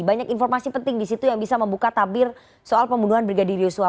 banyak informasi penting di situ yang bisa membuka tabir soal pembunuhan brigadir yosua